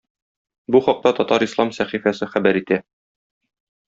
Бу хакта Татар-ислам сәхифәсе хәбәр итә.